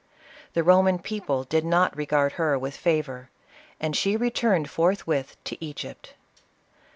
The Roman people did not regard her with favor, and she returned forthwith to Egypt.